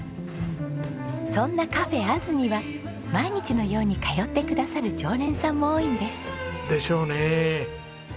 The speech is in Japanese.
そんなＣａｆａｓには毎日のように通ってくださる常連さんも多いんです。でしょうね。